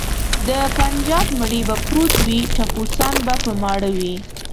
د بنجاب مړی به پروت وي ټپوسان به په ماړه وي.